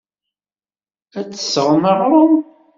Ad d-tesɣem aɣrum.